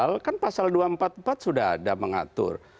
soal kan pasal dua ratus empat puluh empat sudah ada mengatur